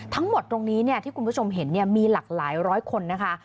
ทั้งหมดตรงนี้ที่คุณผู้ชมเห็นมีหลากหลายร้อยคนนะคะ